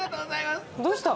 どうした？